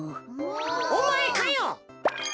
おまえかよ！